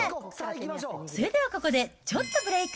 それではここでちょっとブレーク。